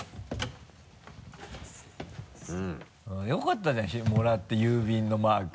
よかったじゃんもらって郵便のマーク。